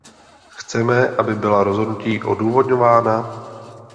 Chceme, aby byla rozhodnutí odůvodňována?